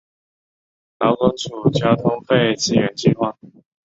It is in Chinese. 劳工处交通费支援计划